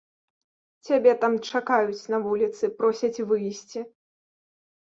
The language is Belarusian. Цябе там чакаюць на вуліцы, просяць выйсці.